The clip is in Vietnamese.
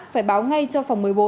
phải báo ngay cho phòng một mươi bốn